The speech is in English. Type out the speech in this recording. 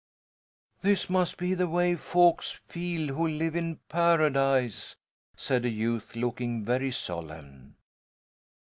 "This must be the way folks feel who live in Paradise," said a youth, looking very solemn.